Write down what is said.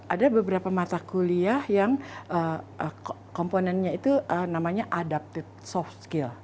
ada beberapa mata kuliah yang komponennya itu namanya adapted soft skill